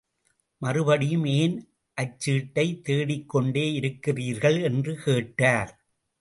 மறுபடியும் ஏன் அச்சீட்டை தேடிக் கொண்டே யிருக்கிறீர்கள் என்று கேட்டார்.